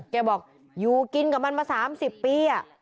แกบอกอยู่กินกับมันมา๓๐ปี